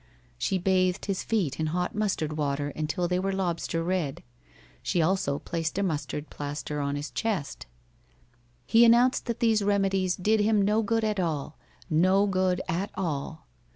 She bathed his feet in hot mustard water until they were lobster red. She also placed a mustard plaster on his chest. He announced that these remedies did him no good at all no good at all.